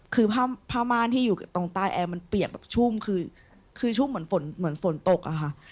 คือผ้าม่านที่อยู่ตรงใต้แอร์มันเปียกแบบชุ่มคือชุ่มเหมือนฝนเหมือนฝนตกอะค่ะ